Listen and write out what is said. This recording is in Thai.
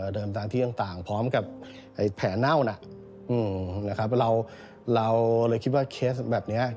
ตามที่ต่างพร้อมกับแผลเน่านะนะครับเราเลยคิดว่าเคสแบบนี้